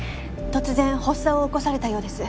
突然発作を起こされたようです。